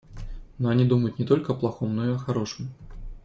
Но они думают не только о плохом, но и о хорошем.